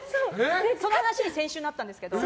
その話、先週あったんですけど。